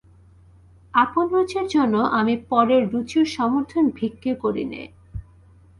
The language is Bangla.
আপন রুচির জন্যে আমি পরের রুচির সমর্থন ভিক্ষে করি নে।